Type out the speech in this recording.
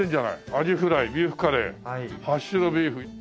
アジフライビーフカレーハッシュドビーフ。